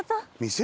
店？